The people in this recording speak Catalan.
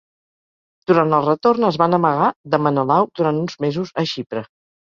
Durant el retorn, es van amagar de Menelau durant uns mesos a Xipre.